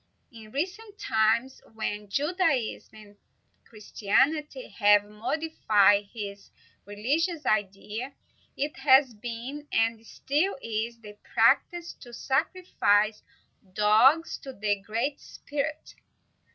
In recent times, when Judaism and Christianity have modified his religious ideas, it has been, and still is, the practice to sacrifice dogs to the Great Spirit.